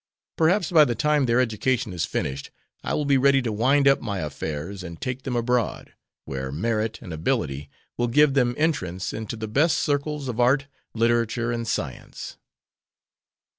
Perhaps by the time their education is finished I will be ready to wind up my affairs and take them abroad, where merit and ability will give them entrance into the best circles of art, literature, and science."